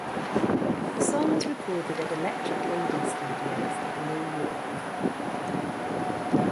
The song was recorded at Electric Lady Studios in New York.